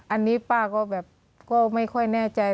อันนี้ป้าก็แบบก็ไม่ค่อยแน่ใจ